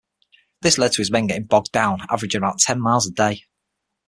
This led to his men getting bogged down, averaging about ten miles per day.